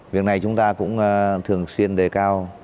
việc này chúng ta cũng thường xuyên đề cao